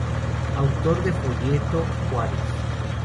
Autor del folleto "Juárez.